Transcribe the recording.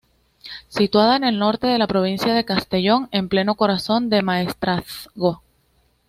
Situada en el norte de la provincia de Castellón, en pleno corazón del Maestrazgo.